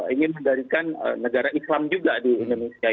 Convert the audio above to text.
ingin mendirikan negara islam juga di indonesia